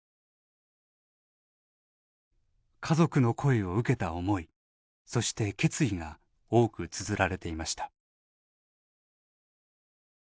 家族の声を受けた思い、そして決意が多くつづられていました。